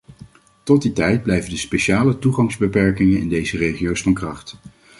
Tot die tijd blijven de speciale toegangsbeperkingen in deze regio's van kracht.